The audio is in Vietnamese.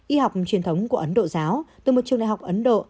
y học truyền thống của ấn độ giáo từ một trường đại học ấn độ